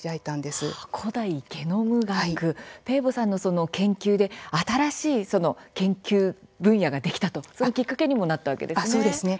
ペーボさんの研究で新しい研究分野ができたと、そのきっかけにもなったわけですね。